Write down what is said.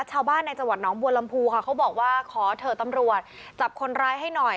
ชาวบ้านในจังหวัดน้องบัวลำพูค่ะเขาบอกว่าขอเถอะตำรวจจับคนร้ายให้หน่อย